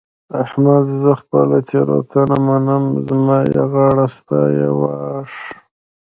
احمده! زه خپله تېرونته منم؛ زما يې غاړه ستا يې واښ.